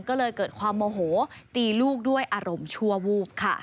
ก็เลยเกิดความโมโหตีลูกด้วยอารมณ์ชั่ววูบค่ะ